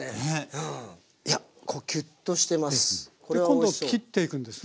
今度切っていくんですね？